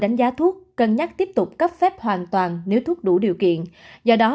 đánh giá thuốc cân nhắc tiếp tục cấp phép hoàn toàn nếu thuốc đủ điều kiện do đó